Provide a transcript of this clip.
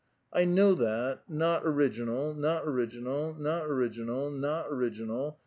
'' I know ; not original, not original, not original, not original."